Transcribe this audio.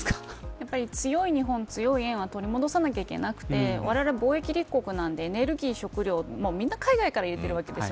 やっぱり強い日本強い円を取り戻さなけれなくてわれわれは貿易立国なのでエネルギーも食料も、みんな海外から入れてるわけです。